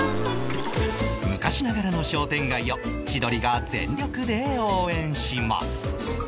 昔ながらの商店街を千鳥が全力で応援します